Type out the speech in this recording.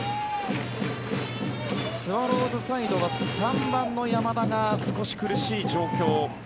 スワローズサイドは３番の山田が少し苦しい状況。